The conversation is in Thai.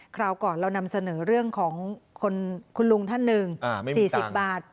คราวก่อนเรานำเสนอเรื่องของคุณลุงท่านหนึ่ง๔๐บาท